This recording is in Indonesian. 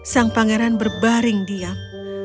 sang pangeran berbaring diam